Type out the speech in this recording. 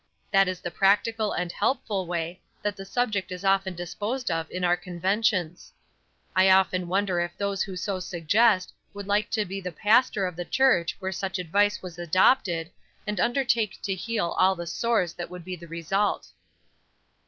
"That is the practical and helpful way that the subject is often disposed of in our conventions. I often wonder if those who so suggest would like to be the pastor of the church where such advice was adopted, and undertake to heal all the sores that would be the result."